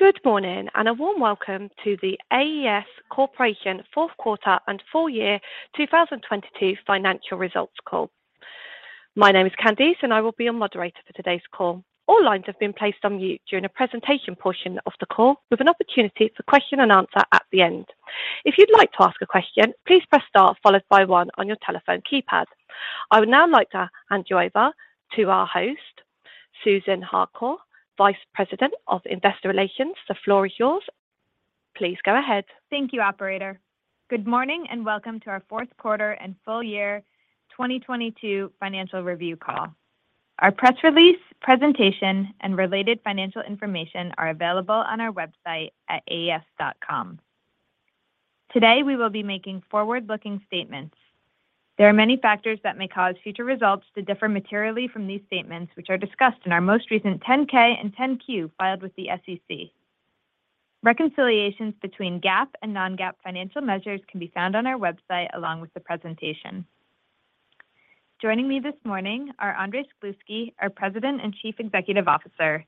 Good morning and a warm welcome to The AES Corporation fourth quarter and full year 2022 financial results call. My name is Candice and I will be your moderator for today's call. All lines have been placed on mute during the presentation portion of the call with an opportunity for question and answer at the end. If you'd like to ask a question, please press star followed by one on your telephone keypad. I would now like to hand you over to our host, Susan Harcourt, Vice President of Investor Relations. The floor is yours. Please go ahead. Thank you, operator. Good morning. Welcome to our fourth quarter and full year 2022 financial review call. Our press release presentation and related financial information are available on our website at aes.com. Today, we will be making forward-looking statements. There are many factors that may cause future results to differ materially from these statements, which are discussed in our most recent 10-K and 10-Q filed with the SEC. Reconciliations between GAAP and non-GAAP financial measures can be found on our website along with the presentation. Joining me this morning are Andrés Gluski, our President and Chief Executive Officer,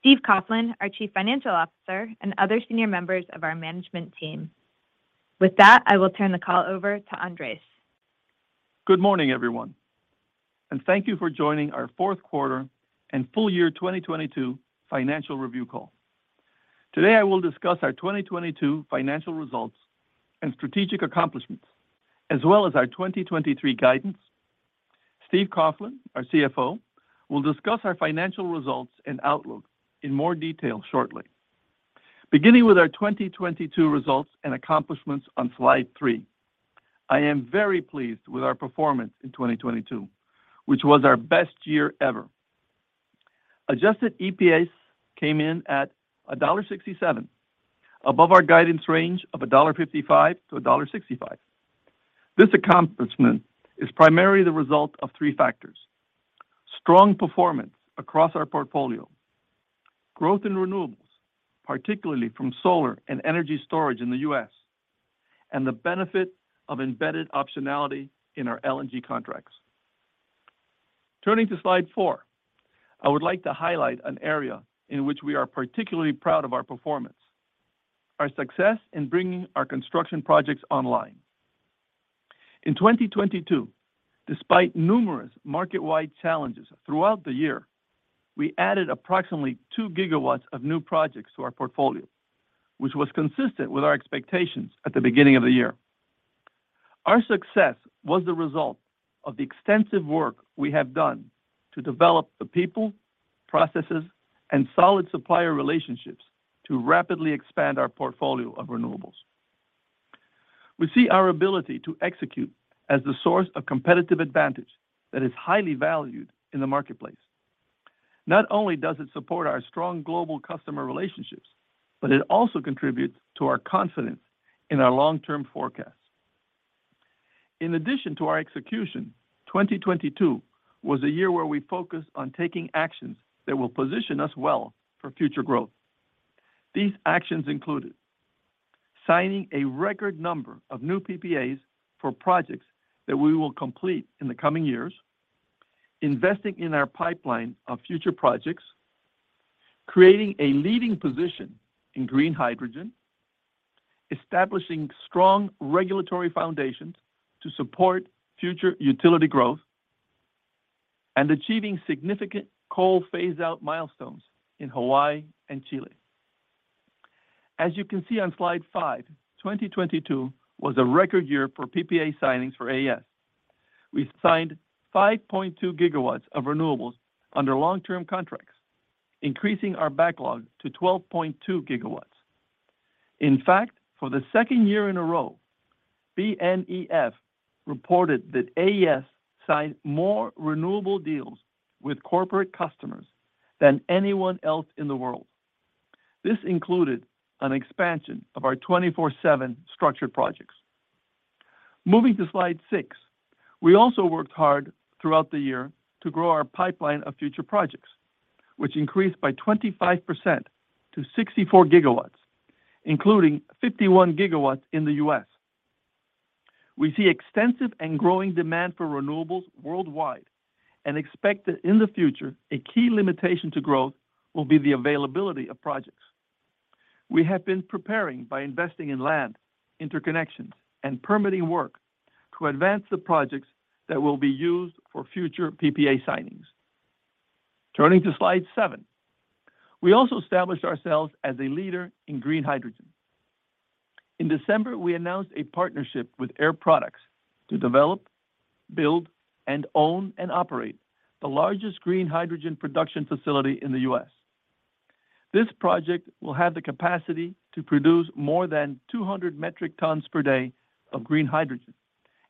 Steve Coughlin, our Chief Financial Officer, and other senior members of our management team. With that, I will turn the call over to Andrés. Good morning, everyone, thank you for joining our fourth quarter and full year 2022 financial review call. Today, I will discuss our 2022 financial results and strategic accomplishments, as well as our 2023 guidance. Steve Coughlin, our CFO, will discuss our financial results and outlook in more detail shortly. Beginning with our 2022 results and accomplishments on slide three, I am very pleased with our performance in 2022, which was our best year ever. Adjusted EPS came in at $1.67, above our guidance range of $1.55-$1.65. This accomplishment is primarily the result of three factors: strong performance across our portfolio, growth in renewables, particularly from solar and energy storage in the U.S., and the benefit of embedded optionality in our LNG contracts. Turning to slide four, I would like to highlight an area in which we are particularly proud of our performance, our success in bringing our construction projects online. In 2022, despite numerous market-wide challenges throughout the year, we added approximately 2 GW of new projects to our portfolio, which was consistent with our expectations at the beginning of the year. Our success was the result of the extensive work we have done to develop the people, processes, and solid supplier relationships to rapidly expand our portfolio of renewables. We see our ability to execute as the source of competitive advantage that is highly valued in the marketplace. Not only does it support our strong global customer relationships, but it also contributes to our confidence in our long-term forecast. In addition to our execution, 2022 was a year where we focused on taking actions that will position us well for future growth. These actions included signing a record number of new PPAs for projects that we will complete in the coming years, investing in our pipeline of future projects, creating a leading position in green hydrogen, establishing strong regulatory foundations to support future utility growth, and achieving significant coal phase out milestones in Hawaii and Chile. As you can see on slide five, 2022 was a record year for PPA signings for AES. We signed 5.2 GW of renewables under long-term contracts, increasing our backlog to 12.2 GW. In fact, for the second year in a row, BNEF reported that AES signed more renewable deals with corporate customers than anyone else in the world. This included an expansion of our 24/7 structured projects. Moving to slide six, we also worked hard throughout the year to grow our pipeline of future projects, which increased by 25% to 64 GW, including 51 GW in the U.S. We see extensive and growing demand for renewables worldwide and expect that in the future a key limitation to growth will be the availability of projects. We have been preparing by investing in land, interconnections, and permitting work to advance the projects that will be used for future PPA signings. Turning to slide seven, we also established ourselves as a leader in green hydrogen. In December, we announced a partnership with Air Products to develop, build, and own and operate the largest green hydrogen production facility in the U.S. This project will have the capacity to produce more than 200 metric tons per day of green hydrogen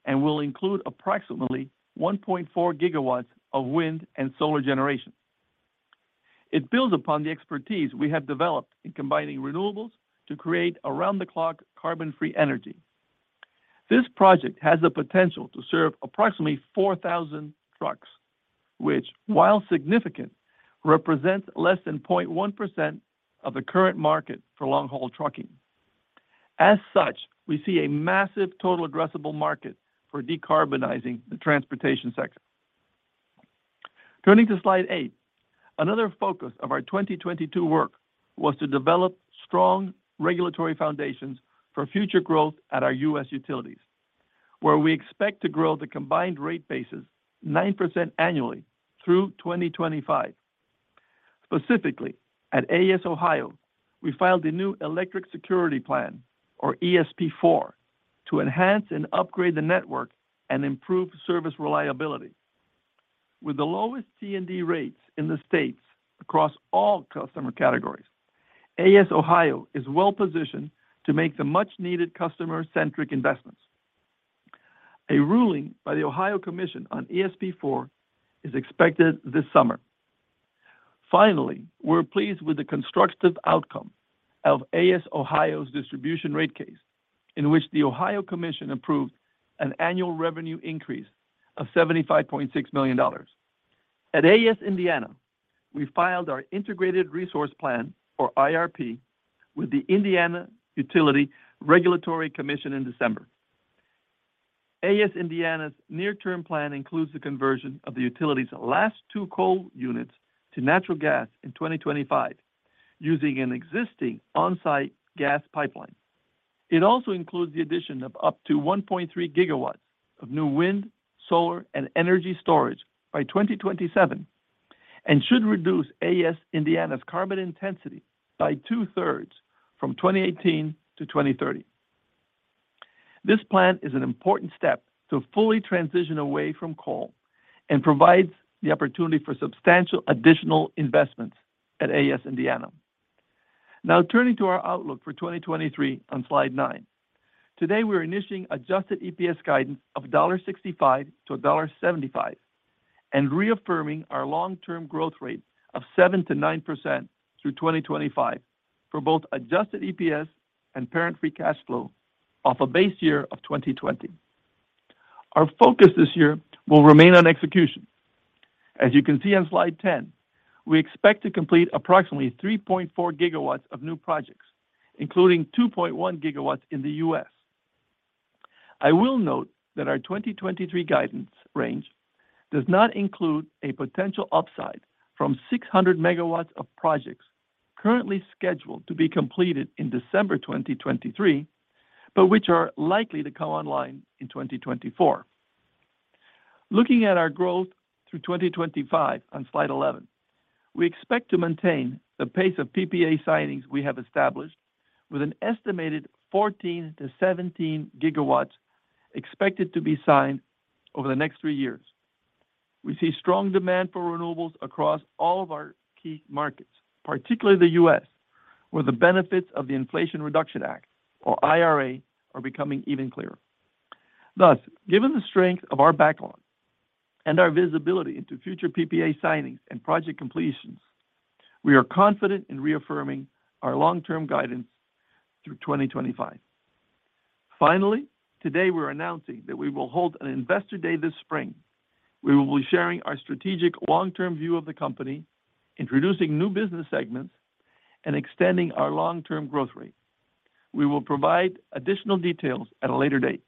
and will include approximately 1.4 GW of wind and solar generation. It builds upon the expertise we have developed in combining renewables to create around-the-clock carbon-free energy. This project has the potential to serve approximately 4,000 trucks, which, while significant, represents less than 0.1% of the current market for long-haul trucking. We see a massive total addressable market for decarbonizing the transportation sector. Turning to slide eight, another focus of our 2022 work was to develop strong regulatory foundations for future growth at our U.S. utilities, where we expect to grow the combined rate bases 9% annually through 2025. Specifically, at AES Ohio, we filed a new Electric Security Plan, or ESP4, to enhance and upgrade the network and improve service reliability. With the lowest T&D rates in the states across all customer categories, AES Ohio is well-positioned to make the much-needed customer-centric investments. A ruling by the Ohio Commission on ESP4 is expected this summer. We're pleased with the constructive outcome of AES Ohio's distribution rate case, in which the Ohio Commission approved an annual revenue increase of $75.6 million. At AES Indiana, we filed our Integrated Resource Plan or IRP with the Indiana Utility Regulatory Commission in December. AES Indiana's near-term plan includes the conversion of the utility's last two coal units to natural gas in 2025 using an existing on-site gas pipeline. It also includes the addition of up to 1.3 GW of new wind, solar, and energy storage by 2027 and should reduce AES Indiana's carbon intensity by 2/3 from 2018 to 2030. This plan is an important step to fully transition away from coal and provides the opportunity for substantial additional investments at AES Indiana. Now turning to our outlook for 2023 on slide nine. Today, we're initiating Adjusted EPS guidance of $1.65-$1.75 and reaffirming our long-term growth rate of 7% to 9% through 2025 for both Adjusted EPS and Parent Free Cash Flow off a base year of 2020. Our focus this year will remain on execution. As you can see on slide 10, we expect to complete approximately 3.4 GW of new projects, including 2.1 GW in the U.S. I will note that our 2023 guidance range does not include a potential upside from 600 MW of projects currently scheduled to be completed in December 2023, but which are likely to come online in 2024. Looking at our growth through 2025 on slide 11, we expect to maintain the pace of PPA signings we have established with an estimated 14 GW-17 GW expected to be signed over the next three years. We see strong demand for renewables across all of our key markets, particularly the U.S., where the benefits of the Inflation Reduction Act or IRA are becoming even clearer. Given the strength of our backlog and our visibility into future PPA signings and project completions, we are confident in reaffirming our long-term guidance through 2025. Finally, today we're announcing that we will hold an Investor Day this spring. We will be sharing our strategic long-term view of the company, introducing new business segments, and extending our long-term growth rate. We will provide additional details at a later date.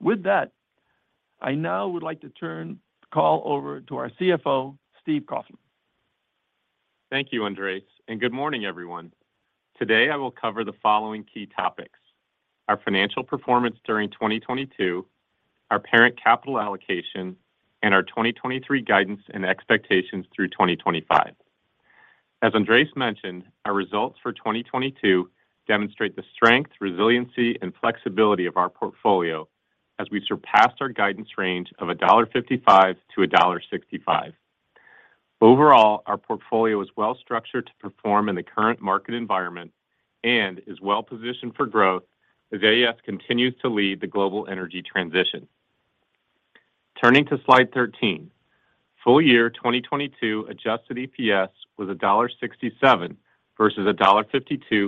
With that, I now would like to turn the call over to our CFO, Steve Coughlin. Thank you, Andrés, and good morning, everyone. Today, I will cover the following key topics: our financial performance during 2022, our parent capital allocation, and our 2023 guidance and expectations through 2025. As Andrés mentioned, our results for 2022 demonstrate the strength, resiliency, and flexibility of our portfolio as we surpassed our guidance range of $1.55-$1.65. Overall, our portfolio is well-structured to perform in the current market environment and is well-positioned for growth as AES continues to lead the global energy transition. Turning to slide 13, full year 2022 Adjusted EPS was $1.67 versus $1.52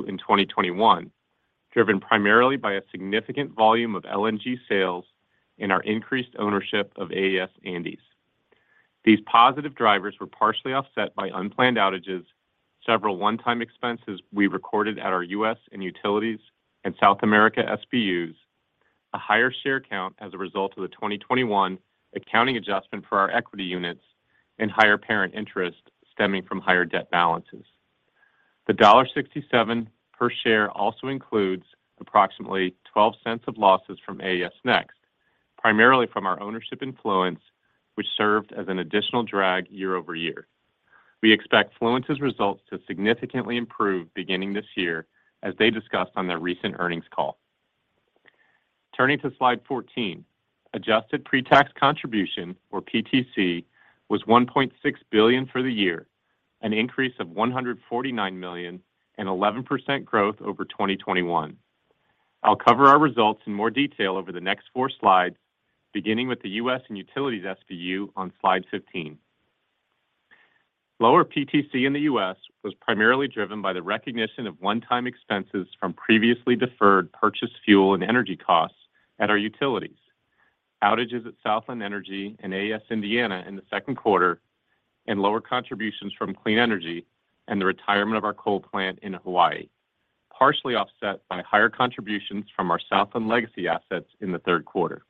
in 2021, driven primarily by a significant volume of LNG sales and our increased ownership of AES Andes. These positive drivers were partially offset by unplanned outages, several one-time expenses we recorded at our U.S. and Utilities and South America SBUs, a higher share count as a result of the 2021 accounting adjustment for our equity units and higher parent interest stemming from higher debt balances. The $1.67 per share also includes approximately $0.12 of losses from AES Next, primarily from our ownership influence, which served as an additional drag year-over-year. We expect Fluence's results to significantly improve beginning this year, as they discussed on their recent earnings call. Turning to slide 14, adjusted pretax contribution or PTC was $1.6 billion for the year, an increase of $149 million and 11% growth over 2021. I'll cover our results in more detail over the next four slides, beginning with the U.S. and Utilities SBU on slide 15. Lower PTC in the U.S. was primarily driven by the recognition of one-time expenses from previously deferred purchased fuel and energy costs at our utilities. Outages at Southland Energy and AES Indiana in the second quarter and lower contributions from clean energy and the retirement of our coal plant in Hawaii. Partially offset by higher contributions from our Southland legacy assets in the third quarter.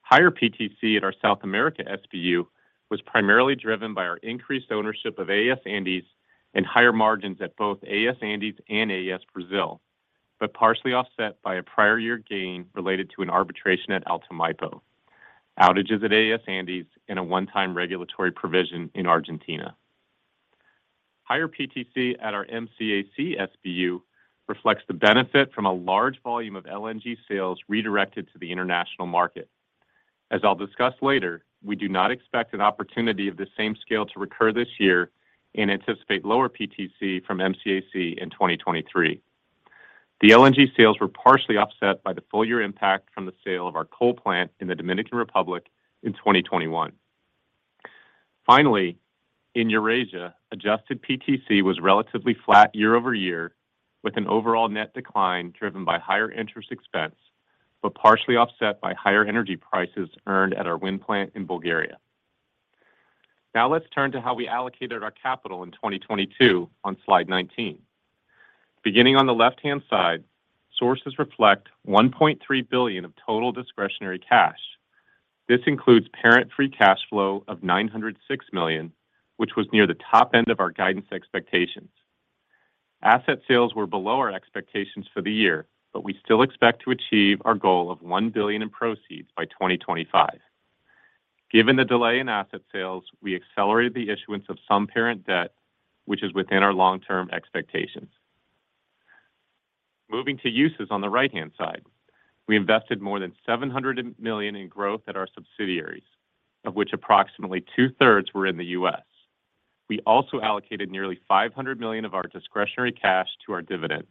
Higher PTC at our South America SBU was primarily driven by our increased ownership of AES Andes and higher margins at both AES Andes and AES Brasil, partially offset by a prior year gain related to an arbitration at Alto Maipo, outages at AES Andes, and a one-time regulatory provision in Argentina. Higher PTC at our MCAC SBU reflects the benefit from a large volume of LNG sales redirected to the international market. As I'll discuss later, we do not expect an opportunity of the same scale to recur this year and anticipate lower PTC from MCAC in 2023. The LNG sales were partially offset by the full year impact from the sale of our coal plant in the Dominican Republic in 2021. Finally, in Eurasia, adjusted PTC was relatively flat year-over-year, with an overall net decline driven by higher interest expense, but partially offset by higher energy prices earned at our wind plant in Bulgaria. Let's turn to how we allocated our capital in 2022 on slide 19. Beginning on the left-hand side, sources reflect $1.3 billion of total discretionary cash. This includes Parent Free Cash Flow of $906 million, which was near the top end of our guidance expectations. Asset sales were below our expectations for the year, we still expect to achieve our goal of $1 billion in proceeds by 2025. Given the delay in asset sales, we accelerated the issuance of some parent debt, which is within our long-term expectations. Moving to uses on the right-hand side, we invested more than $700 million in growth at our subsidiaries, of which approximately 2/3 were in the U.S. We also allocated nearly $500 million of our discretionary cash to our dividend.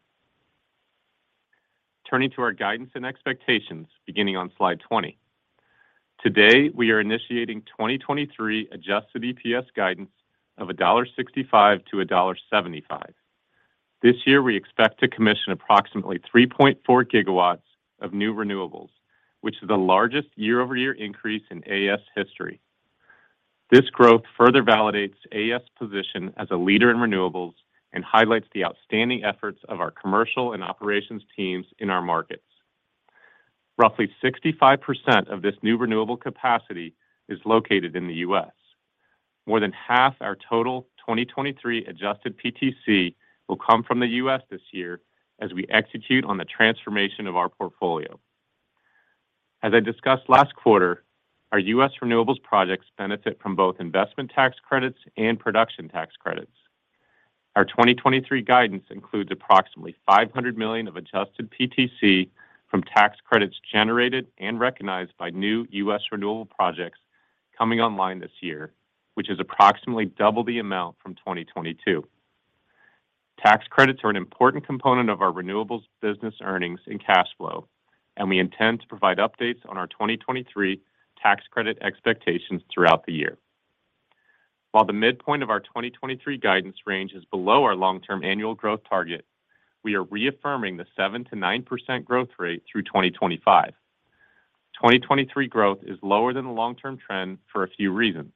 Turning to our guidance and expectations, beginning on slide 20. Today, we are initiating 2023 Adjusted EPS guidance of $1.65-$1.75. This year, we expect to commission approximately 3.4 GW of new renewables, which is the largest year-over-year increase in AES history. This growth further validates AES' position as a leader in renewables and highlights the outstanding efforts of our commercial and operations teams in our markets. Roughly 65% of this new renewable capacity is located in the U.S. More than half our total 2023 Adjusted PTC will come from the U.S. this year as we execute on the transformation of our portfolio. As I discussed last quarter, our U.S. renewables projects benefit from both Investment Tax Credits and Production Tax Credits. Our 2023 guidance includes approximately $500 million of Adjusted PTC from tax credits generated and recognized by new U.S. renewable projects coming online this year, which is approximately double the amount from 2022. Tax credits are an important component of our renewables business earnings and cash flow. We intend to provide updates on our 2023 tax credit expectations throughout the year. The midpoint of our 2023 guidance range is below our long-term annual growth target, we are reaffirming the 7% to 9% growth rate through 2025. 2023 growth is lower than the long-term trend for a few reasons.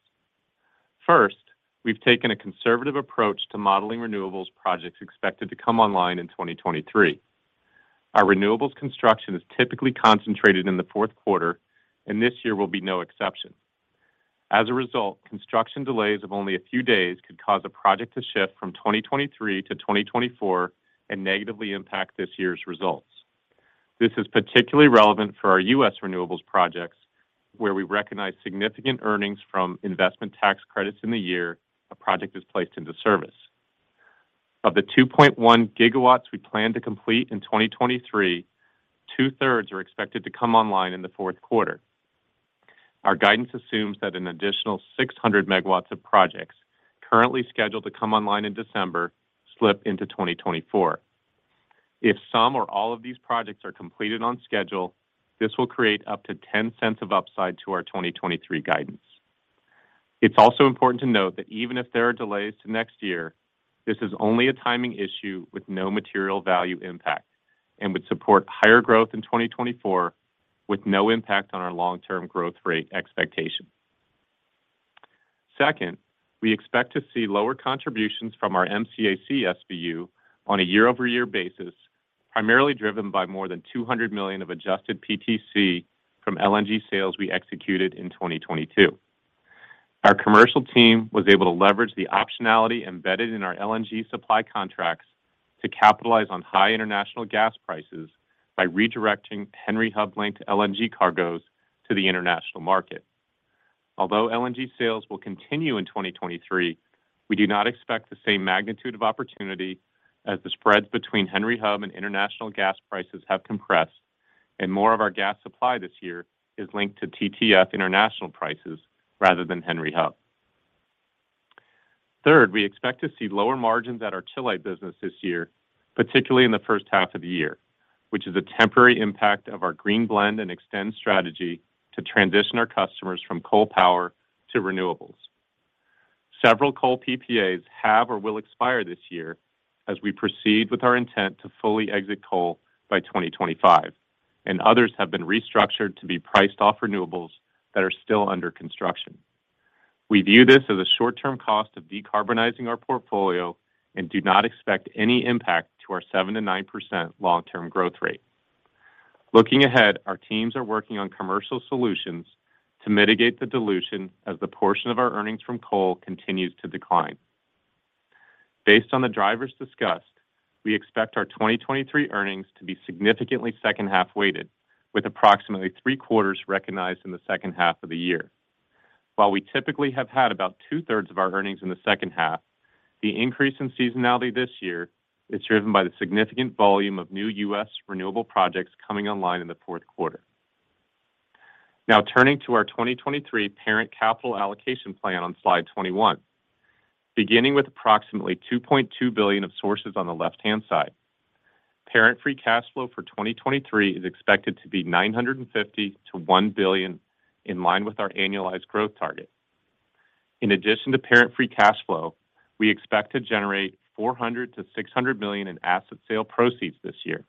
First, we've taken a conservative approach to modeling renewables projects expected to come online in 2023. Our renewables construction is typically concentrated in the fourth quarter, and this year will be no exception. As a result, construction delays of only a few days could cause a project to shift from 2023 to 2024 and negatively impact this year's results. This is particularly relevant for our U.S. renewables projects, where we recognize significant earnings from Investment Tax Credits in the year a project is placed into service. Of the 2.1 GW we plan to complete in 2023, 2/3 are expected to come online in the fourth quarter. Our guidance assumes that an additional 600 MW of projects currently scheduled to come online in December slip into 2024. If some or all of these projects are completed on schedule, this will create up to $0.10 of upside to our 2023 guidance. It's also important to note that even if there are delays to next year, this is only a timing issue with no material value impact and would support higher growth in 2024 with no impact on our long-term growth rate expectation. Second, we expect to see lower contributions from our MCAC SBU on a year-over-year basis, primarily driven by more than $200 million of Adjusted PTC from LNG sales we executed in 2022. Our commercial team was able to leverage the optionality embedded in our LNG supply contracts to capitalize on high international gas prices by redirecting Henry Hub-linked LNG cargos to the international market. Although LNG sales will continue in 2023, we do not expect the same magnitude of opportunity as the spreads between Henry Hub and international gas prices have compressed and more of our gas supply this year is linked to TTF international prices rather than Henry Hub. Third, we expect to see lower margins at our Tietê business this year, particularly in the first half of the year, which is a temporary impact of our Green Blend and Extend strategy to transition our customers from coal power to renewables. Several coal PPAs have or will expire this year as we proceed with our intent to fully exit coal by 2025. Others have been restructured to be priced off renewables that are still under construction. We view this as a short-term cost of decarbonizing our portfolio and do not expect any impact to our 7% to 9% long-term growth rate. Looking ahead, our teams are working on commercial solutions to mitigate the dilution as the portion of our earnings from coal continues to decline. Based on the drivers discussed, we expect our 2023 earnings to be significantly second half weighted, with approximately three-quarters recognized in the second half of the year. While we typically have had about 2/3 of our earnings in the second half, the increase in seasonality this year is driven by the significant volume of new U.S. renewable projects coming online in the fourth quarter. Turning to our 2023 parent capital allocation plan on slide 21. Beginning with approximately $2.2 billion of sources on the left-hand side. Parent Free Cash Flow for 2023 is expected to be $950 million to $1 billion in line with our annualized growth target. In addition to Parent Free Cash Flow, we expect to generate $400 million-$600 million in asset sale proceeds this year.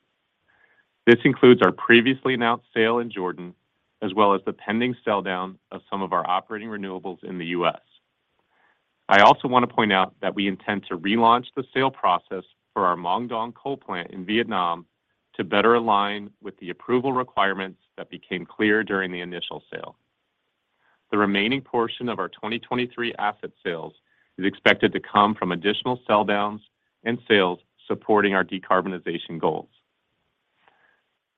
This includes our previously announced sale in Jordan, as well as the pending sell down of some of our operating renewables in the U.S. I also want to point out that we intend to relaunch the sale process for our Mong Duong coal plant in Vietnam to better align with the approval requirements that became clear during the initial sale. The remaining portion of our 2023 asset sales is expected to come from additional sell downs and sales supporting our decarbonization goals.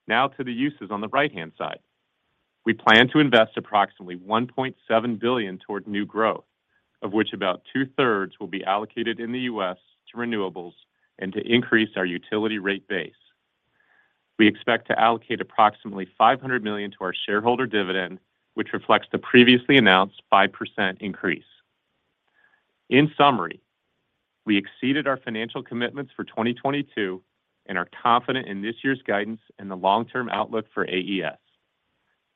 To the uses on the right-hand side. We plan to invest approximately $1.7 billion toward new growth, of which about 2/3 will be allocated in the U.S. to renewables and to increase our utility rate base. We expect to allocate approximately $500 million to our shareholder dividend, which reflects the previously announced 5% increase. In summary, we exceeded our financial commitments for 2022 and are confident in this year's guidance and the long-term outlook for AES.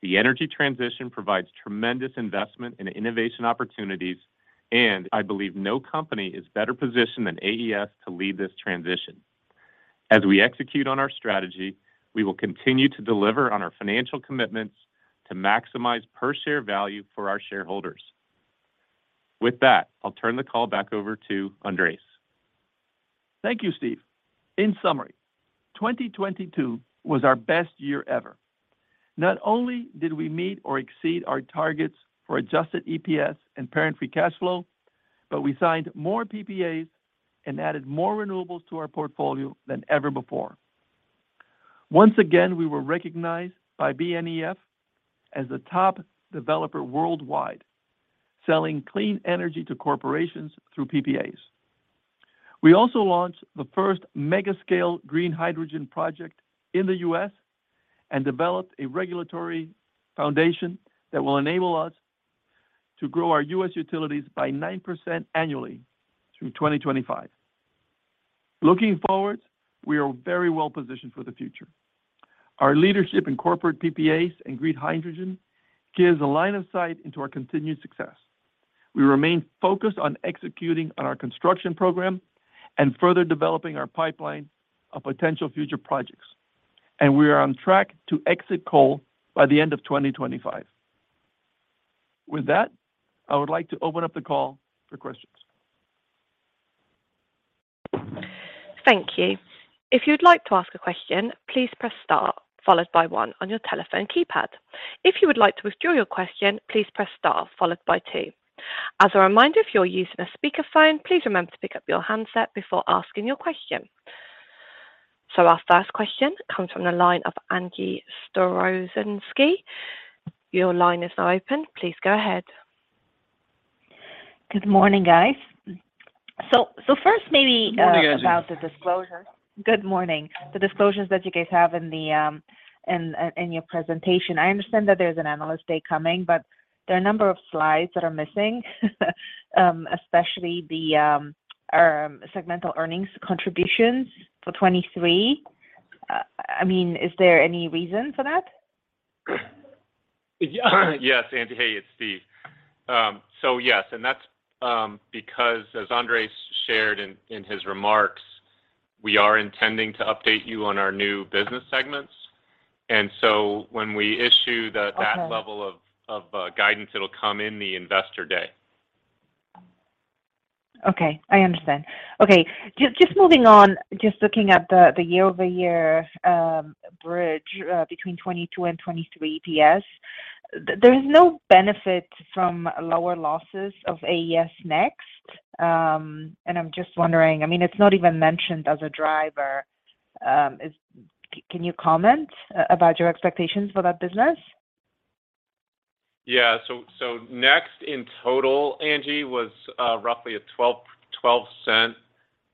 The energy transition provides tremendous investment in innovation opportunities. I believe no company is better positioned than AES to lead this transition. As we execute on our strategy, we will continue to deliver on our financial commitments to maximize per-share value for our shareholders. With that, I'll turn the call back over to Andrés. Thank you, Steve. In summary, 2022 was our best year ever. Not only did we meet or exceed our targets for Adjusted EPS and Parent Free Cash Flow, but we signed more PPAs and added more renewables to our portfolio than ever before. Once again, we were recognized by BNEF as the top developer worldwide, selling clean energy to corporations through PPAs. We also launched the first mega-scale green hydrogen project in the U.S. and developed a regulatory foundation that will enable us to grow our U.S. utilities by 9% annually through 2025. Looking forward, we are very well positioned for the future. Our leadership in corporate PPAs and green hydrogen gives a line of sight into our continued success. We remain focused on executing on our construction program and further developing our pipeline of potential future projects. We are on track to exit coal by the end of 2025. With that, I would like to open up the call for questions. Thank you. If you'd like to ask a question, please press star followed by one on your telephone keypad. If you would like to withdraw your question, please press star followed by two. As a reminder, if you're using a speakerphone, please remember to pick up your handset before asking your question. Our first question comes from the line of Angie Storozynski. Your line is now open. Please go ahead. Good morning, guys. Morning, Angie. So first, maybe about the disclosure. Good morning. The disclosures that you guys have in the, in your presentation. I understand that there's an Analyst Day coming. There are a number of slides that are missing, especially the segmental earnings contributions for 2023. I mean, is there any reason for that? Yes, Angie. Hey, it's Steve. Yes. That's, because as Andrés shared in his remarks, we are intending to update you on our new business segments. When we issue. Okay. That level of guidance, it'll come in the Investor Day. Okay. I understand. Okay. Just moving on, just looking at the year-over-year bridge between 2022 and 2023 PS, there is no benefit from lower losses of AES Next. I'm just wondering, I mean, it's not even mentioned as a driver. Can you comment about your expectations for that business? Yeah. Next in total, Angie, was roughly a $0.12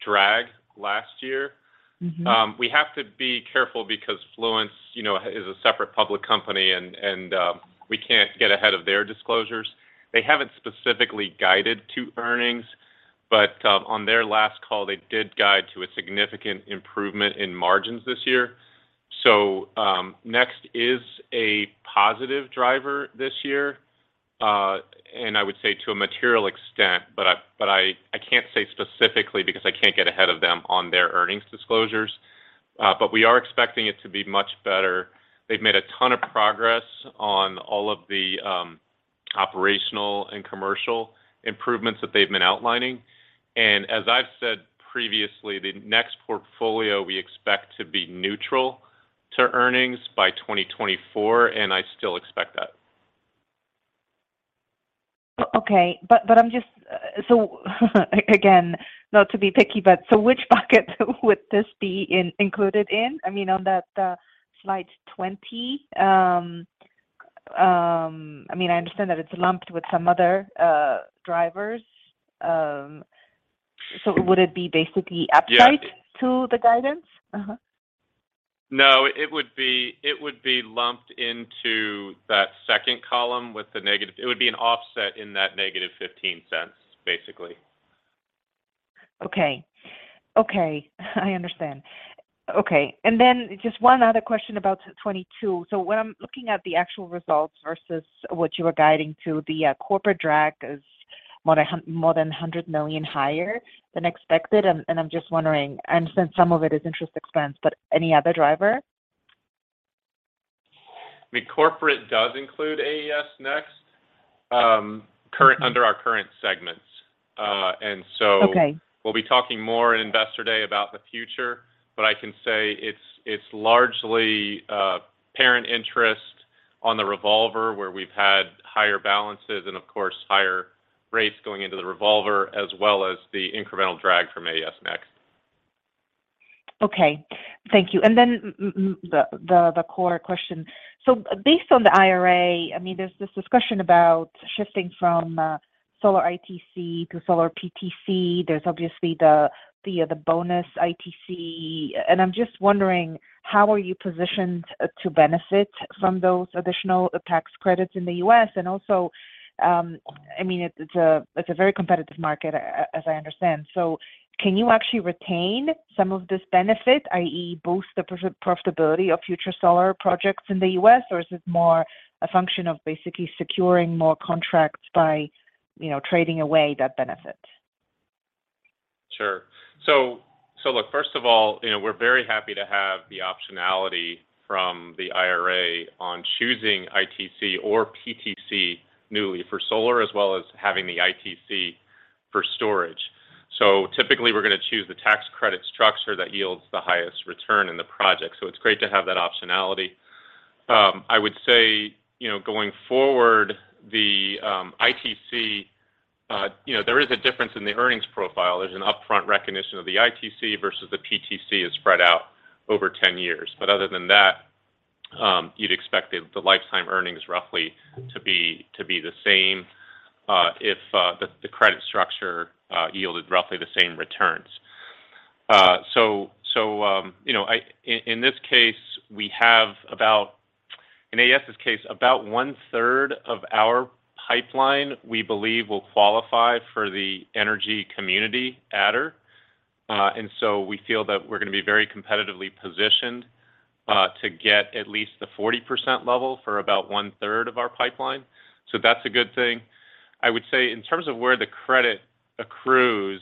drag last year. Mm-hmm. We have to be careful because Fluence, you know, is a separate public company and, we can't get ahead of their disclosures. They haven't specifically guided to earnings, but, on their last call, they did guide to a significant improvement in margins this year. Next is a positive driver this year, and I would say to a material extent, but I can't say specifically because I can't get ahead of them on their earnings disclosures. We are expecting it to be much better. They've made a ton of progress on all of the, operational and commercial improvements that they've been outlining. As I've said previously, the Next portfolio we expect to be neutral to earnings by 2024, and I still expect that. Okay. Again, not to be picky, but which bucket would this be included in? I mean, on that slide 20, I mean, I understand that it's lumped with some other drivers, would it be basically? Yeah. upside to the guidance? Uh-huh. No, it would be lumped into that second column with the negative. It would be an offset in that -$0.15, basically. Okay. Okay, I understand. Okay. Just one other question about 2022. When I'm looking at the actual results versus what you are guiding to, the corporate drag is more than $100 million higher than expected. I'm just wondering, I understand some of it is interest expense, but any other driver? I mean, Corporate does include AES Next. Mm-hmm. Under our current segments. Okay. We'll be talking more in Investor Day about the future, but I can say it's largely, parent interest on the revolver where we've had higher balances and of course, higher rates going into the revolver, as well as the incremental drag from AES Next. Thank you. Then the core question. Based on the IRA, I mean, there's this discussion about shifting from solar ITC to solar PTC. There's obviously the bonus ITC. I'm just wondering, how are you positioned to benefit from those additional tax credits in the U.S.? Also, I mean, it's a very competitive market as I understand. Can you actually retain some of this benefit, i.e. boost the profitability of future solar projects in the U.S., or is it more a function of basically securing more contracts by, you know, trading away that benefit? Sure. Look, first of all, you know, we're very happy to have the optionality from the IRA on choosing ITC or PTC newly for solar, as well as having the ITC for storage. Typically, we're gonna choose the tax credit structure that yields the highest return in the project. It's great to have that optionality. I would say, you know, going forward, the ITC, you know, there is a difference in the earnings profile. There's an upfront recognition of the ITC versus the PTC is spread out over 10 years. Other than that, you'd expect the lifetime earnings roughly to be the same if the credit structure yielded roughly the same returns. You know, In this case, we have about, in AES's case, about 1/3 of our pipeline we believe will qualify for the energy community adder. We feel that we're gonna be very competitively positioned to get at least the 40% level for about 1/3 of our pipeline. That's a good thing. I would say in terms of where the credit accrues,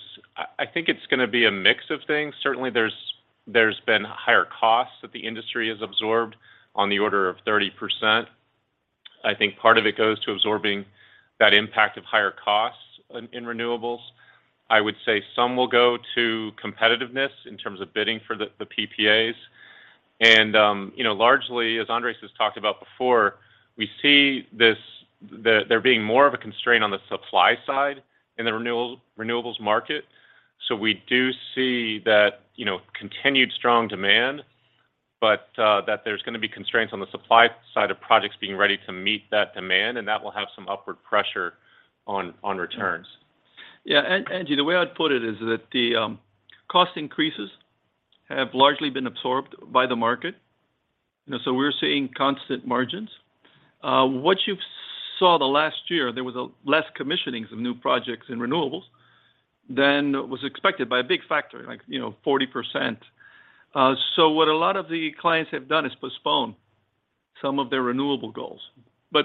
I think it's gonna be a mix of things. Certainly there's been higher costs that the industry has absorbed on the order of 30%. I think part of it goes to absorbing that impact of higher costs in renewables. I would say some will go to competitiveness in terms of bidding for the PPAs. You know, largely, as Andrés has talked about before, we see there being more of a constraint on the supply side in the renewables market. We do see that, you know, continued strong demand, but that there's gonna be constraints on the supply side of projects being ready to meet that demand, and that will have some upward pressure on returns. Angie, the way I'd put it is that the cost increases have largely been absorbed by the market. You know, we're seeing constant margins. What you've saw the last year, there was a less commissionings of new projects in renewables than was expected by a big factor, like, you know, 40%.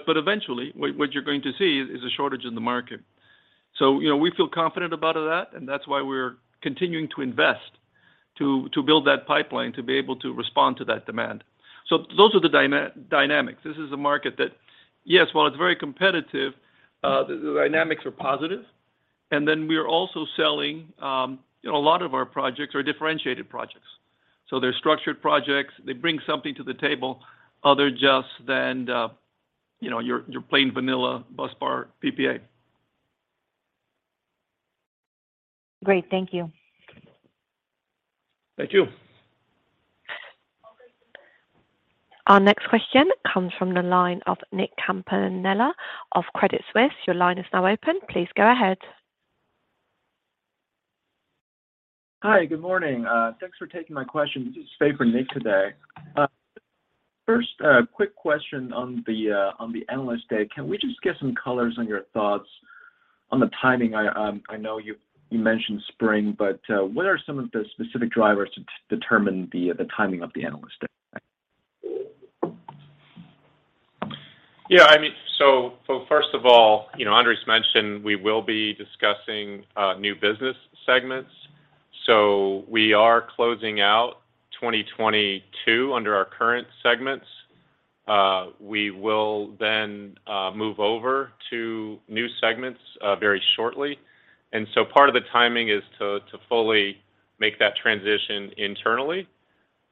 Eventually, what you're going to see is a shortage in the market. You know, we feel confident about that, and that's why we're continuing to invest to build that pipeline, to be able to respond to that demand. Those are the dynamics. This is a market that, yes, while it's very competitive, the dynamics are positive. We are also selling, you know, a lot of our projects are differentiated projects. They're structured projects. They bring something to the table other just than, you know, your plain vanilla busbar PPA. Great. Thank you. Thank you. Our next question comes from the line of Nick Campanella of Credit Suisse. Your line is now open. Please go ahead. Hi. Good morning. Thanks for taking my question. Just favor Nick today. First, a quick question on the on the Analyst Day. Can we just get some colors on your thoughts on the timing? I know you mentioned spring, but what are some of the specific drivers to determine the timing of the Analyst Day? Yeah, I mean, so first of all, you know, Andrés mentioned we will be discussing new business segments. We are closing out 2022 under our current segments. We will then move over to new segments very shortly. Part of the timing is to fully make that transition internally,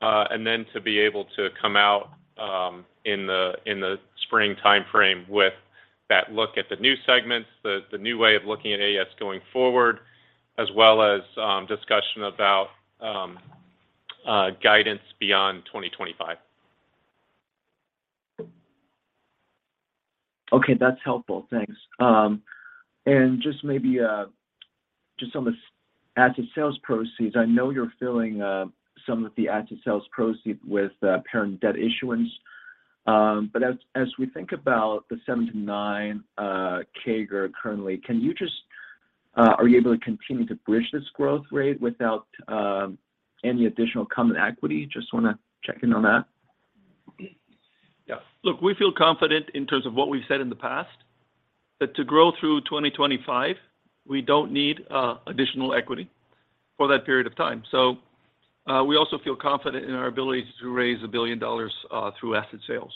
and then to be able to come out in the spring timeframe with that look at the new segments, the new way of looking at AES going forward, as well as discussion about guidance beyond 2025. Okay. That's helpful. Thanks. Just maybe, just on the asset sales proceeds, I know you're filling some of the asset sales proceeds with the parent debt issuance. As we think about the 7% to 9% CAGR currently, are you able to continue to bridge this growth rate without any additional common equity? Just wanna check in on that. Yeah. Look, we feel confident in terms of what we've said in the past. That to grow through 2025, we don't need additional equity for that period of time. We also feel confident in our ability to raise $1 billion through asset sales.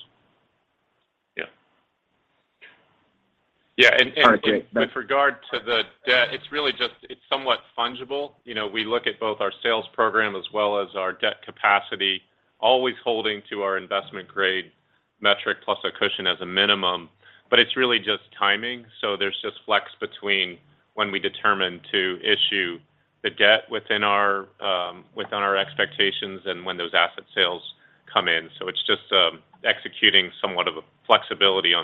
Yeah. Yeah, and. All right, great. With regard to the debt, it's really it's somewhat fungible. You know, we look at both our sales program as well as our debt capacity, always holding to our investment grade metric plus a cushion as a minimum. It's really just timing. There's just flex between when we determine to issue the debt within our within our expectations and when those asset sales come in. It's just executing somewhat of a flexibility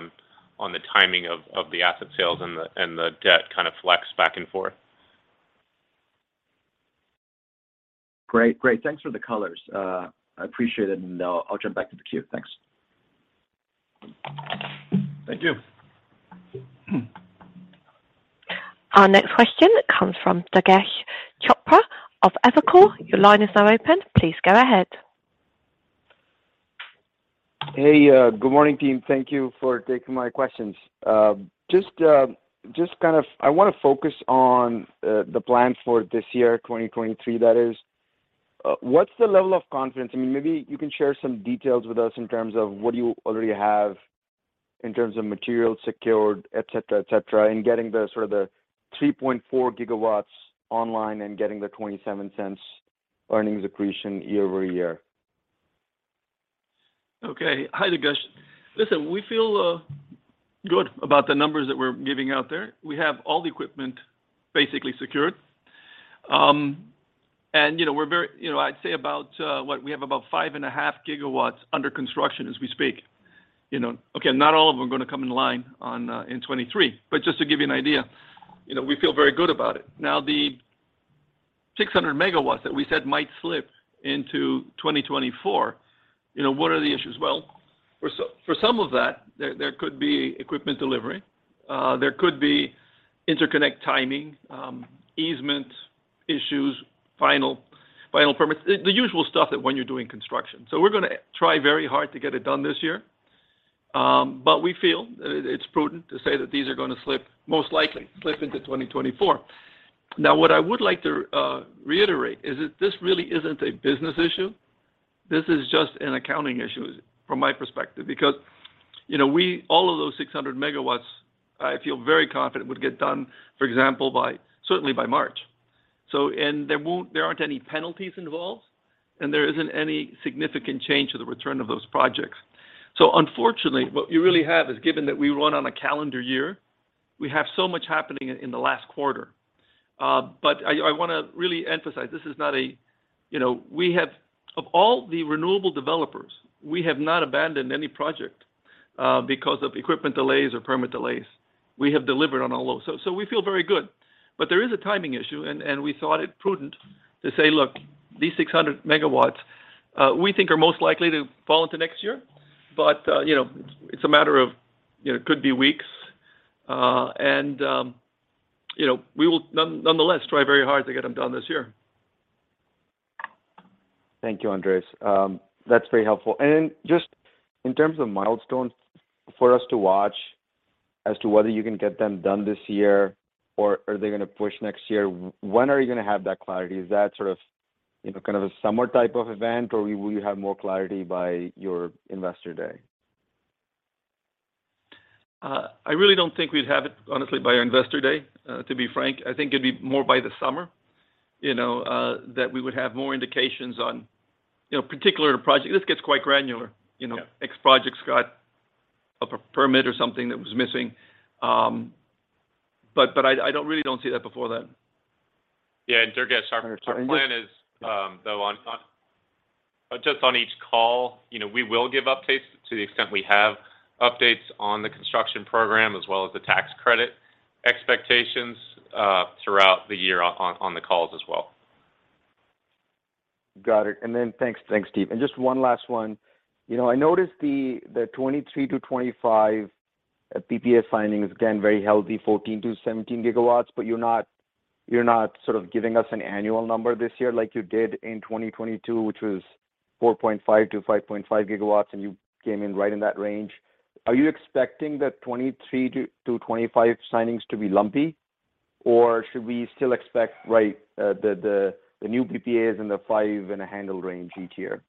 on the timing of the asset sales and the debt kind of flex back and forth. Great. Great. Thanks for the colors. I appreciate it, and I'll jump back to the queue. Thanks. Thank you. Our next question comes from Durgesh Chopra of Evercore. Your line is now open. Please go ahead. Hey. Good morning, team. Thank you for taking my questions. I wanna focus on the plans for this year, 2023 that is. What's the level of confidence? I mean, maybe you can share some details with us in terms of what you already have in terms of material secured, et cetera, et cetera, in getting the sort of the 3.4 GW online and getting the $0.27 earnings accretion year-over-year. Okay. Hi, Durgesh. Listen, we feel good about the numbers that we're giving out there. We have all the equipment basically secured. You know, we're very... You know, I'd say about, what? We have about 5.5 GW under construction as we speak, you know. Okay, not all of them are gonna come in line on in 2023. Just to give you an idea, you know, we feel very good about it. Now, the 600 MW that we said might slip into 2024, you know, what are the issues? Well, for some of that, there could be equipment delivery. There could be interconnect timing, easement issues, final permits. The usual stuff that when you're doing construction. We're gonna try very hard to get it done this year, but we feel it's prudent to say that these are gonna slip, most likely slip into 2024. What I would like to reiterate is that this really isn't a business issue. This is just an accounting issue from my perspective. you know, all of those 600 MW, I feel very confident would get done, for example, by certainly by March. there aren't any penalties involved, and there isn't any significant change to the return of those projects. unfortunately, what you really have is, given that we run on a calendar year, we have so much happening in the last quarter. I wanna really emphasize, this is not. You know, of all the renewable developers, we have not abandoned any project because of equipment delays or permit delays. We have delivered on all those. We feel very good. There is a timing issue and we thought it prudent to say, "Look, these 600 MW, we think are most likely to fall into next year." You know, it's a matter of, you know, could be weeks. You know, we will nonetheless try very hard to get them done this year. Thank you, Andrés. That's very helpful. Just in terms of milestones for us to watch as to whether you can get them done this year or are they gonna push next year, when are you gonna have that clarity? Is that sort of, you know, kind of a summer type of event, or will you have more clarity by your Investor Day? I really don't think we'd have it, honestly, by our Investor Day, to be frank. I think it'd be more by the summer, you know, that we would have more indications on, you know, particular to project. This gets quite granular, you know. Yeah. X project's got a per-permit or something that was missing. I really don't see that before then. Yeah. Durgesh, our plan is, though just on each call, you know, we will give updates to the extent we have updates on the construction program as well as the tax credit expectations, throughout the year on the calls as well. Got it. Thanks, Steve. Just one last one. You know, I noticed the 2023-2025 PPA finding is again very healthy, 14 GW-17 GW, but you're not sort of giving us an annual number this year like you did in 2022, which was 4.5 GW-5.5 GW, and you came in right in that range. Are you expecting that 2023-2025 signings to be lumpy, or should we still expect, right, the new PPAs in the five and a handle range each year?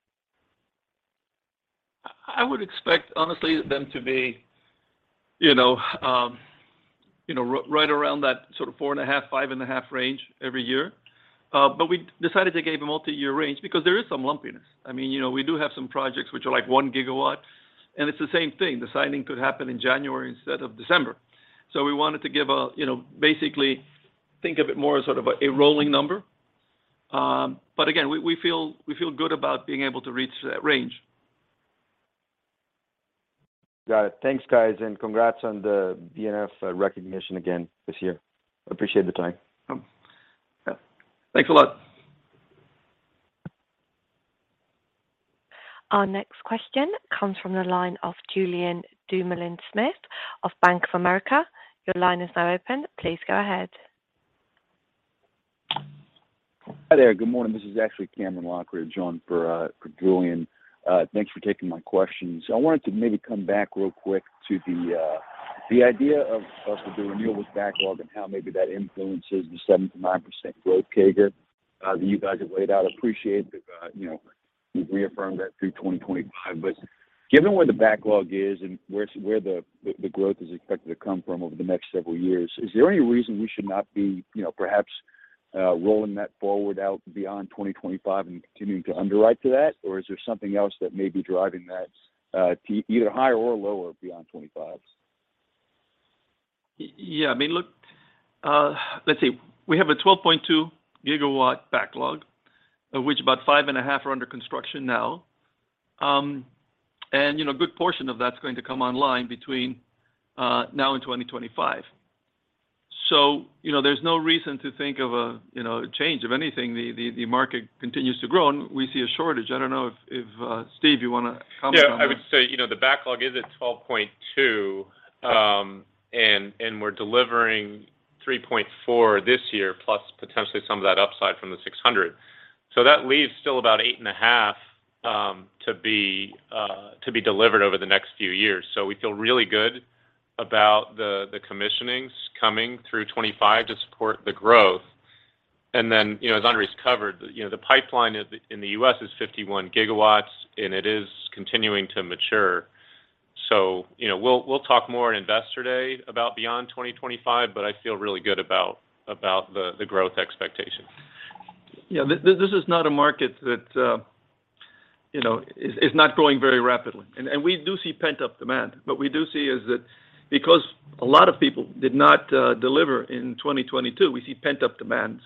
I would expect, honestly, them to be, you know, you know, right around that sort of 4.5 GW, 5.5 GW range every year. We decided to give a multi-year range because there is some lumpiness. I mean, you know, we do have some projects which are like 1 GW, and it's the same thing. The signing could happen in January instead of December. We wanted to give a, you know, basically think of it more as sort of a rolling number. Again, we feel good about being able to reach that range. Got it. Thanks, guys, and congrats on the BNEF recognition again this year. Appreciate the time. Yeah. Thanks a lot. Our next question comes from the line of Julien Dumoulin-Smith of Bank of America. Your line is now open. Please go ahead. Hi there. Good morning. This is actually Cameron Lochridge, joining for Julien. Thanks for taking my questions. I wanted to maybe come back real quick to the idea of the renewables backlog and how maybe that influences the 7% to 9% growth CAGR that you guys have laid out. Appreciate that, you know, you've reaffirmed that through 2025. Given where the backlog is and where the growth is expected to come from over the next several years, is there any reason we should not be, you know, perhaps, rolling that forward out beyond 2025 and continuing to underwrite to that? Is there something else that may be driving that either higher or lower beyond 2025? Yeah. I mean, look, let's see. We have a 12.2 GW backlog, of which about 5.5 GW are under construction now. You know, a good portion of that's going to come online between now and 2025. You know, there's no reason to think of a change. If anything, the market continues to grow, and we see a shortage. I don't know if Steve, you wanna comment on that? I would say, you know, the backlog is at 12.2 GW, and we're delivering 3.4 GW this year plus potentially some of that upside from the 600 MW. That leaves still about 8.5 GW to be delivered over the next few years. We feel really good about the commissionings coming through 2025 to support the growth. Then, you know, as Andrés covered, you know, the pipeline in the U.S. is 51 GW, and it is continuing to mature. You know, we'll talk more at Investor Day about beyond 2025, but I feel really good about the growth expectations. Yeah. This is not a market that, you know, is not growing very rapidly. We do see pent-up demand. What we do see is that because a lot of people did not deliver in 2022, we see pent-up demand.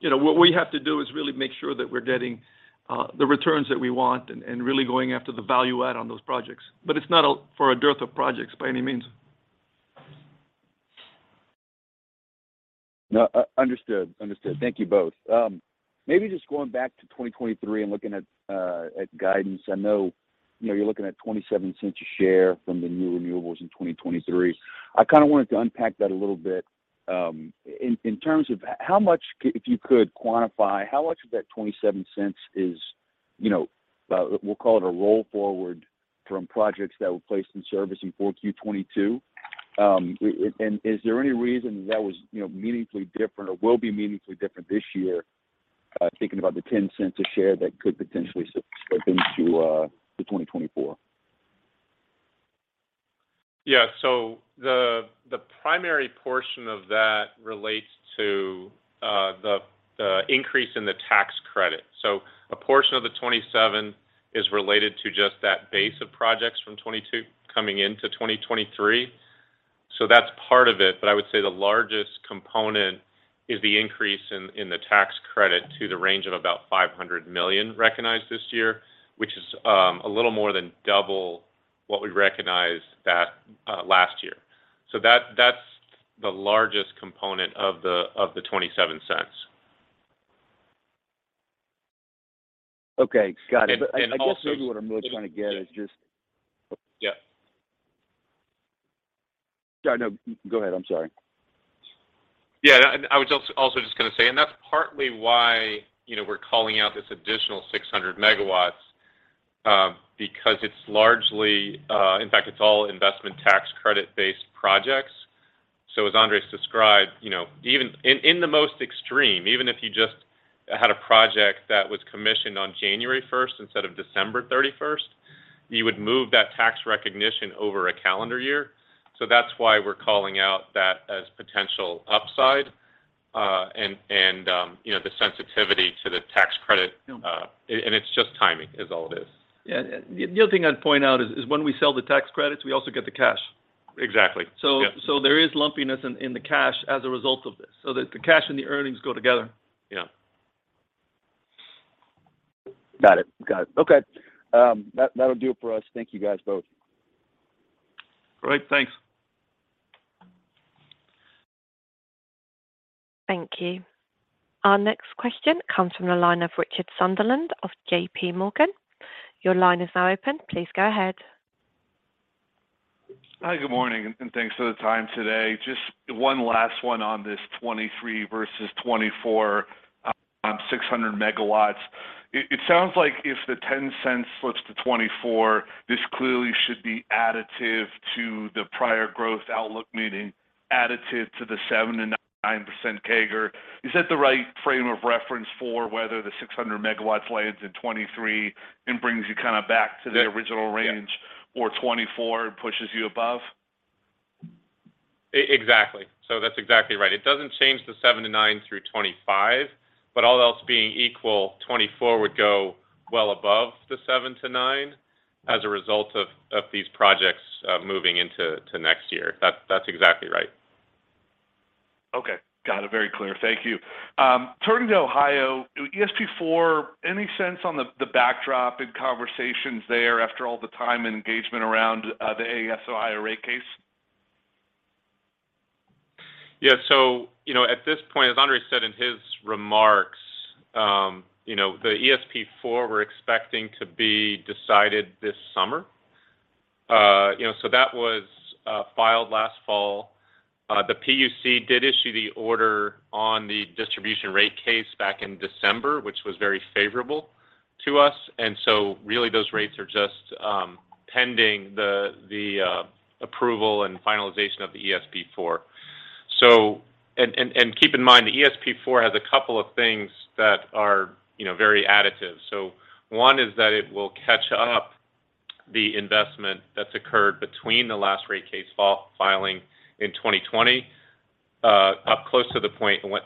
You know, what we have to do is really make sure that we're getting the returns that we want and really going after the value add on those projects. It's not all for a dearth of projects by any means. No. Understood. Understood. Thank you both. Maybe just going back to 2023 and looking at guidance, I know, you know, you're looking at $0.27 a share from the new renewables in 2023. I kind of wanted to unpack that a little bit, in terms of how much, if you could quantify, how much of that $0.27 is, you know, we'll call it a roll forward from projects that were placed in service in 4Q 2022? And is there any reason that was, you know, meaningfully different or will be meaningfully different this year, thinking about the $0.10 a share that could potentially slip into 2024? The primary portion of that relates to the increase in the tax credit. A portion of the $0.27 is related to just that base of projects from 2022 coming into 2023. That's part of it. I would say the largest component is the increase in the tax credit to the range of about $500 million recognized this year, which is a little more than double what we recognized last year. That's the largest component of the $0.27. Okay. Got it. And, and also- I guess maybe what I'm really trying to get is. Yeah. Yeah, no, go ahead. I'm sorry. Yeah. I was just gonna say, that's partly why, you know, we're calling out this additional 600 MW, because it's largely, in fact, it's all Investment tax credit-based projects. As Andrés described, you know, even in the most extreme, even if you just had a project that was commissioned on January 1 instead of December 31, you would move that tax recognition over a calendar year. That's why we're calling out that as potential upside, you know, the sensitivity to the tax credit. Yeah. It's just timing is all it is. Yeah. The other thing I'd point out is when we sell the tax credits, we also get the cash. Exactly. Yeah. So there is lumpiness in the cash as a result of this. The cash and the earnings go together. Yeah. Got it. Okay. That'll do it for us. Thank you guys both. Great. Thanks. Thank you. Our next question comes from the line of Richard Sunderland of JPMorgan. Your line is now open. Please go ahead. Hi, good morning, and thanks for the time today. Just one last one on this 2023 versus 2024, 600 MW. It sounds like if the $0.10 slips to 2024, this clearly should be additive to the prior growth outlook meeting, additive to the 7% and 9% CAGR. Is that the right frame of reference for whether the 600 MW lands in 2023 and brings you kind of back to the original range or 2024 pushes you above? Exactly. That's exactly right. It doesn't change the 7% to 9% through 2025. All else being equal, 2024 would go well above the 7% to 9% as a result of these projects, moving into next year. That's exactly right. Okay. Got it. Very clear. Thank you. Turning to Ohio, ESP4, any sense on the backdrop and conversations there after all the time and engagement around the AES Ohio rate case? At this point, you know, as Andrés said in his remarks, you know, the ESP4, we're expecting to be decided this summer. You know, that was filed last fall. The PUC did issue the order on the distribution rate case back in December, which was very favorable to us. Really, those rates are just pending the approval and finalization of the ESP4. Keep in mind, the ESP4 has a couple of things that are, you know, very additive. One is that it will catch up the investment that's occurred between the last rate case filing in 2020, up close to the point in which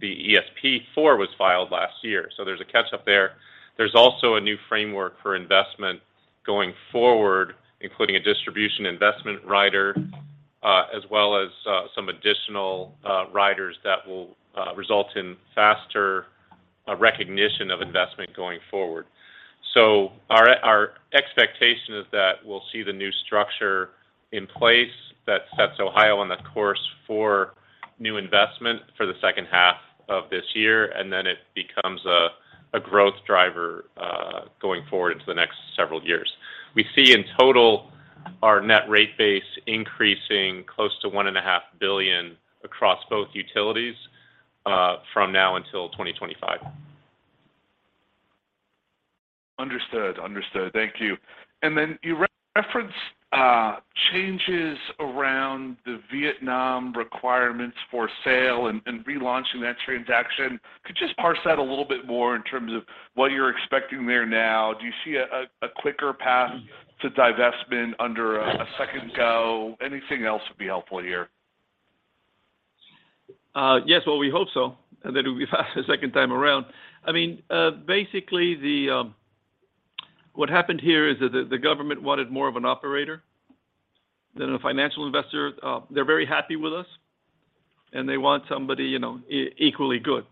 the ESP4 was filed last year. There's a catch-up there. There's also a new framework for investment going forward, including a Distribution Investment Rider, as well as some additional riders that will result in faster recognition of investment going forward. Our expectation is that we'll see the new structure in place that sets Ohio on the course for new investment for the second half of this year, and then it becomes a growth driver going forward into the next several years. We see in total our net rate base increasing close to $1.5 billion across both utilities, from now until 2025. Understood. Thank you. Then you re-reference changes around the Vietnam requirements for sale and relaunching that transaction. Could you just parse that a little bit more in terms of what you're expecting there now? Do you see a quicker path to divestment under a second go? Anything else would be helpful here. Yes. Well, we hope so, that it will be faster second time around. I mean, basically, what happened here is that the government wanted more of an operator than a financial investor. They're very happy with us, and they want somebody, you know, equally good.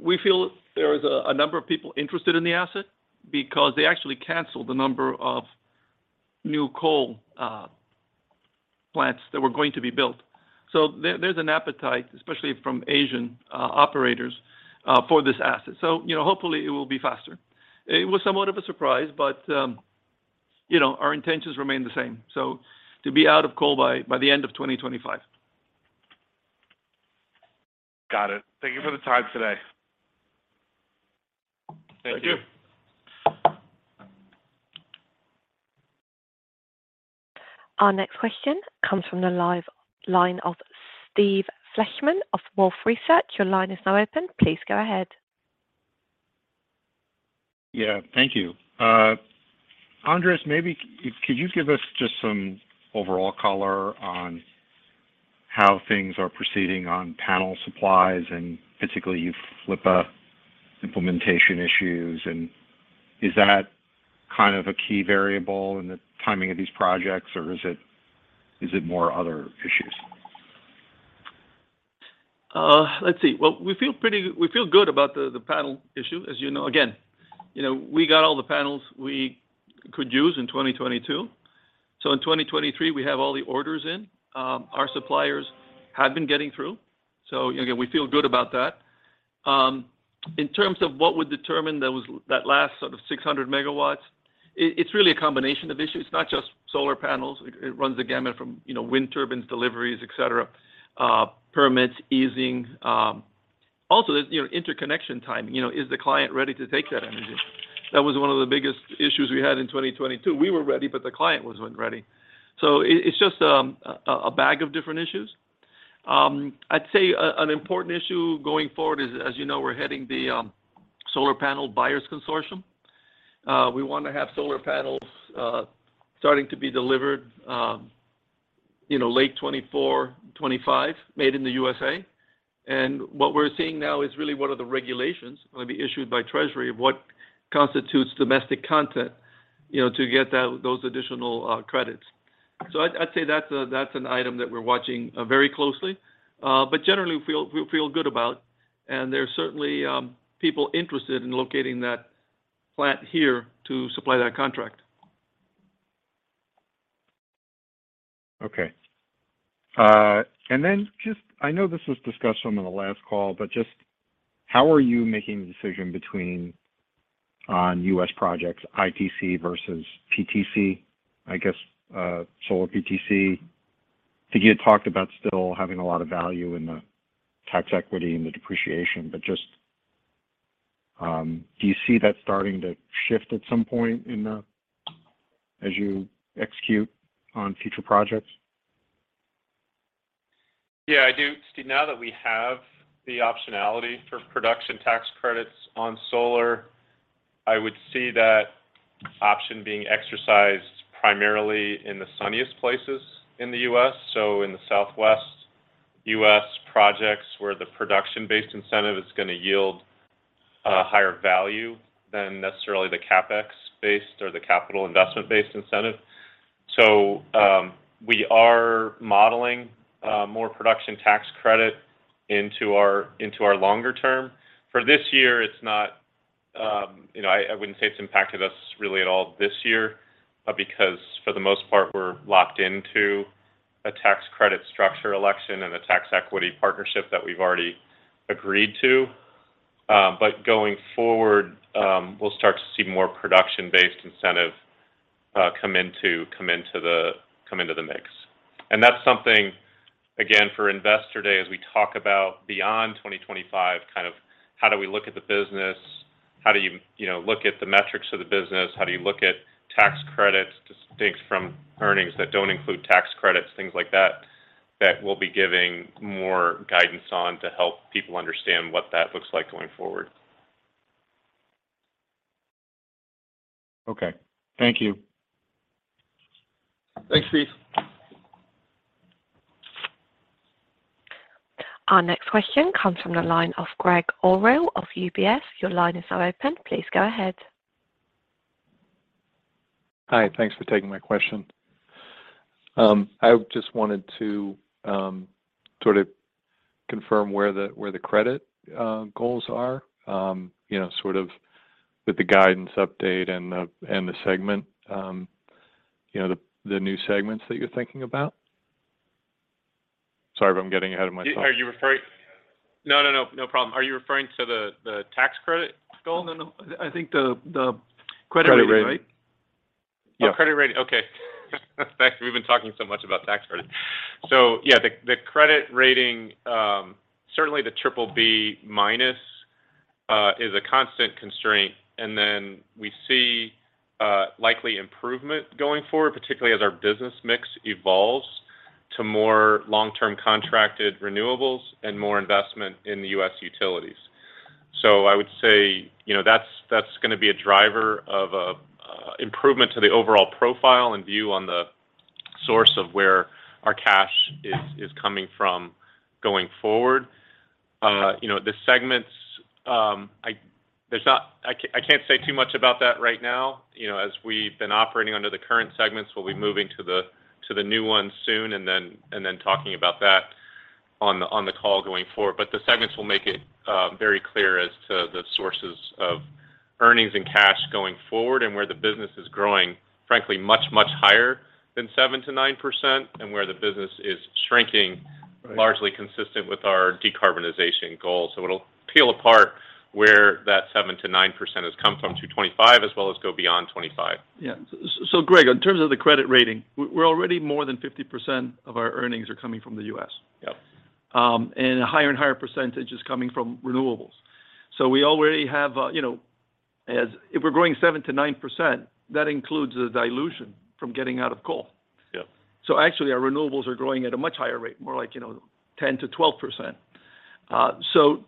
We feel there is a number of people interested in the asset because they actually canceled a number of new coal plants that were going to be built. There's an appetite, especially from Asian operators for this asset. You know, hopefully it will be faster. It was somewhat of a surprise, but, you know, our intentions remain the same. To be out of coal by the end of 2025. Got it. Thank you for the time today. Thank you. Thank you. Our next question comes from the live line of Steve Fleishman of Wolfe Research. Your line is now open. Please go ahead. Yeah, thank you. Andrés, maybe could you give us just some overall color on how things are proceeding on panel supplies and potentially UFLPA implementation issues? Is that kind of a key variable in the timing of these projects, or is it more other issues? Let's see. Well, we feel good about the panel issue, as you know. Again, you know, we got all the panels we could use in 2022. In 2023, we have all the orders in. Our suppliers have been getting through, so again, we feel good about that. In terms of what would determine that last sort of 600 MW, it's really a combination of issues. It's not just solar panels. It runs the gamut from, you know, wind turbines, deliveries, et cetera, permits, easing. Also, there's, you know, interconnection timing. You know, is the client ready to take that energy? That was one of the biggest issues we had in 2022. We were ready, but the client wasn't ready. It's just a bag of different issues. I'd say an important issue going forward is, as you know, we're heading the solar panel buyers consortium. We want to have solar panels starting to be delivered, you know, late 2024, 2025, made in the USA. What we're seeing now is really what are the regulations that will be issued by Treasury of what constitutes domestic content, you know, to get those additional credits. I'd say that's an item that we're watching very closely. Generally we feel good about, there are certainly people interested in locating that plant here to supply that contract. Okay. Then just I know this was discussed on the last call, but just how are you making the decision between on U.S. projects, ITC versus PTC? I guess, solar PTC. I think you had talked about still having a lot of value in the tax equity and the depreciation, but just, do you see that starting to shift at some point as you execute on future projects? I do, Steve. Now that we have the optionality for Production Tax Credits on solar, I would see that option being exercised primarily in the sunniest places in the U.S., so in the Southwest U.S. projects, where the production-based incentive is gonna yield higher value than necessarily the CapEx-based or the capital investment-based incentive. We are modeling more Production Tax Credit into our longer term. For this year, it's not, you know, I wouldn't say it's impacted us really at all this year, because for the most part, we're locked into a tax credit structure election and a tax equity partnership that we've already agreed to. Going forward, we'll start to see more production-based incentive come into the mix. That's something, again, for Investor Day, as we talk about beyond 2025, kind of how do we look at the business? How do you know, look at the metrics of the business? How do you look at tax credits distinct from earnings that don't include tax credits, things like that we'll be giving more guidance on to help people understand what that looks like going forward. Okay. Thank you. Thanks, Steve. Our next question comes from the line of Gregg Orrill of UBS. Your line is now open. Please go ahead. Hi. Thanks for taking my question. I just wanted to sort of confirm where the credit goals are, you know, sort of with the guidance update and the segment, you know, the new segments that you're thinking about. Sorry if I'm getting ahead of myself. No, no. No problem. Are you referring to the tax credit goal? No, no. I think the credit rating, right? Credit rating. Yeah. Oh, credit rating. Okay. In fact, we've been talking so much about tax credits. Yeah, the credit rating, certainly the BBB- is a constant constraint, and then we see likely improvement going forward, particularly as our business mix evolves to more long-term contracted renewables and more investment in the U.S. utilities. I would say, you know, that's going to be a driver of improvement to the overall profile and view on the source of where our cash is coming from going forward. You know, the segments, I can't say too much about that right now, you know, as we've been operating under the current segments. We'll be moving to the new ones soon and then talking about that on the call going forward. The segments will make it very clear as to the sources of earnings and cash going forward and where the business is growing, frankly, much, much higher than 7% to 9% and where the business is shrinking. Right. largely consistent with our decarbonization goals. It'll peel apart where that 7% to 9% has come from to 2025 as well as go beyond 2025. Yeah. Gregg, in terms of the credit rating, we're already more than 50% of our earnings are coming from the U.S. Yep. A higher and higher percentage is coming from renewables. We already have, you know, If we're growing 7% to 9%, that includes the dilution from getting out of coal. Yep. Actually, our renewables are growing at a much higher rate, more like, you know, 10%-12%.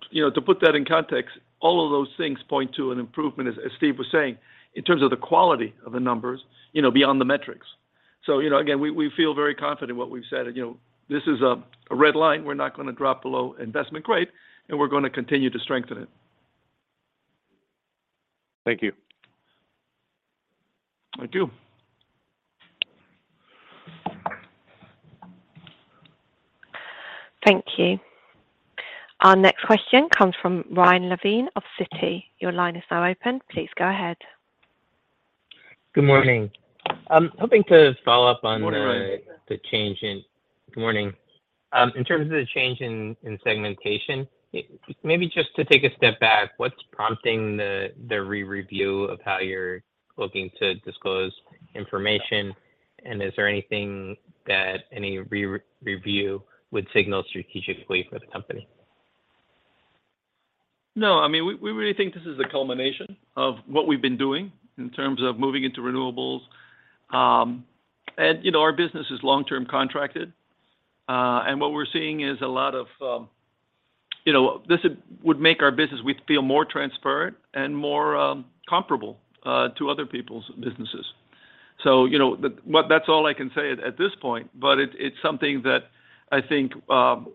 To put that in context, all of those things point to an improvement, as Steve was saying, in terms of the quality of the numbers, you know, beyond the metrics. Again, we feel very confident in what we've said. This is a red line. We're not gonna drop below investment grade, and we're gonna continue to strengthen it. Thank you. Thank you. Thank you. Our next question comes from Ryan Levine of Citi. Your line is now open. Please go ahead. Good morning. I'm hoping to follow up on the-. Good morning. Good morning. In terms of the change in segmentation, maybe just to take a step back, what's prompting the re-review of how you're looking to disclose information? Is there anything that any re-review would signal strategically for the company? No. I mean, we really think this is the culmination of what we've been doing in terms of moving into renewables. You know, our business is long-term contracted, and what we're seeing is a lot of, you know, this would make our business we feel more transparent and more comparable to other people's businesses. You know, that's all I can say at this point. It's something that I think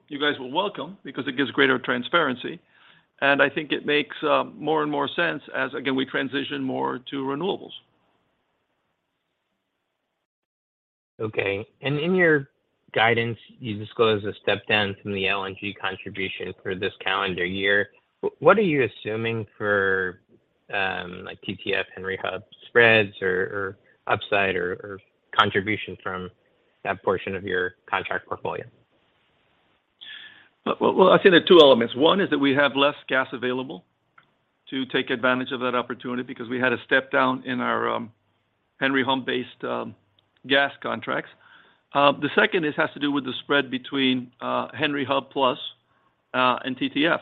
you guys will welcome because it gives greater transparency, and I think it makes more and more sense as, again, we transition more to renewables. Okay. In your guidance, you disclose a step down from the LNG contribution for this calendar year. What are you assuming for- like TTF Henry Hub spreads or upside or contribution from that portion of your contract portfolio. Well I think there are two elements. One is that we have less gas available to take advantage of that opportunity because we had a step down in our Henry Hub-based gas contracts. The second, it has to do with the spread between Henry Hub plus and TTF.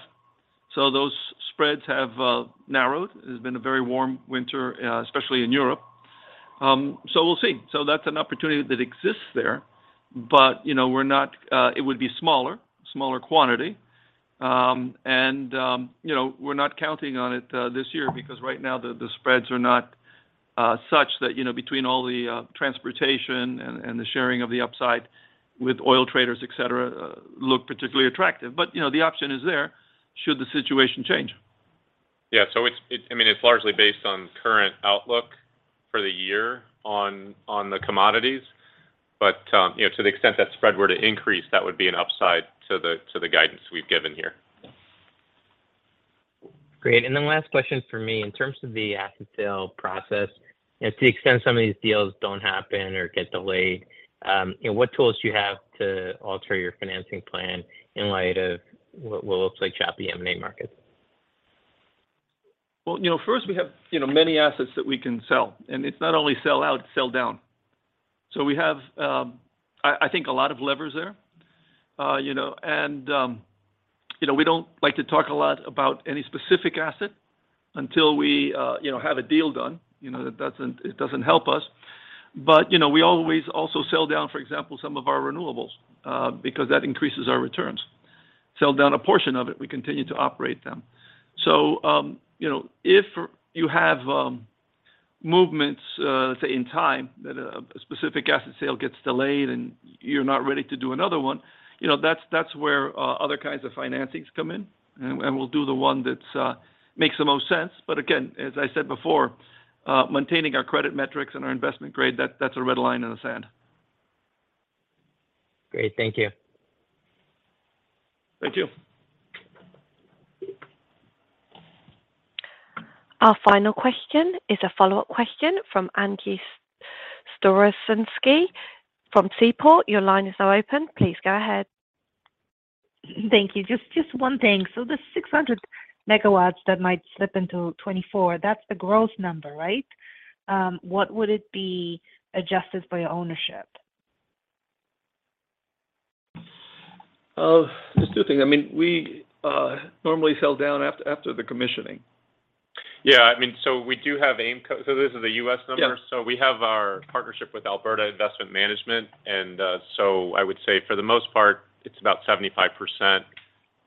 Those spreads have narrowed. It has been a very warm winter, especially in Europe. We'll see. That's an opportunity that exists there, but, you know, we're not. It would be smaller quantity. And, you know, we're not counting on it this year because right now the spreads are not such that, you know, between all the transportation and the sharing of the upside with oil traders, et cetera, look particularly attractive. You know, the option is there should the situation change. I mean, it's largely based on current outlook for the year on the commodities. You know, to the extent that spread were to increase, that would be an upside to the guidance we've given here. Great. Then last question from me. In terms of the asset sale process and to the extent some of these deals don't happen or get delayed, you know, what tools do you have to alter your financing plan in light of what looks like choppy M&A markets? You know, first we have, you know, many assets that we can sell, and it's not only sell out, sell down. We have, I think a lot of levers there. You know, and, you know, we don't like to talk a lot about any specific asset until we, you know, have a deal done. You know, that doesn't help us. You know, we always also sell down, for example, some of our renewables, because that increases our returns. Sell down a portion of it. We continue to operate them. You know, if you have movements, let's say in time that a specific asset sale gets delayed and you're not ready to do another one, you know, that's where other kinds of financings come in and we'll do the one that makes the most sense. Again, as I said before, maintaining our credit metrics and our investment grade, that's a red line in the sand. Great. Thank you. Thank you. Our final question is a follow-up question from Angie Storozynski from Seaport. Your line is now open. Please go ahead. Thank you. Just one thing. The 600 MW that might slip into 2024, that's the growth number, right? What would it be adjusted by ownership? There's two things. I mean, we normally sell down after the commissioning. Yeah, I mean, we do have AIMCo. This is a U.S. number. Yeah. We have our partnership with Alberta Investment Management and, I would say for the most part, it's about 75%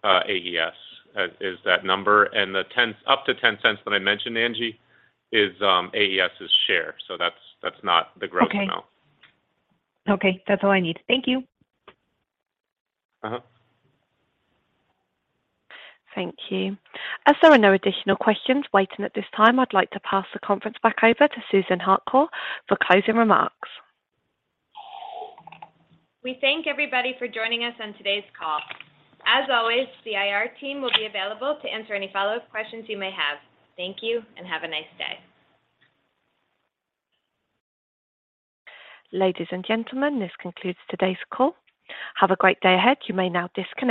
AES, is that number. Up to $0.10 that I mentioned, Angie, is AES' share. That's not the growth amount. Okay. Okay, that's all I need. Thank you. Uh-huh. Thank you. As there are no additional questions waiting at this time, I'd like to pass the conference back over to Susan Harcourt for closing remarks. We thank everybody for joining us on today's call. As always, the IR team will be available to answer any follow-up questions you may have. Thank you, and have a nice day. Ladies and gentlemen, this concludes today's call. Have a great day ahead. You may now disconnect.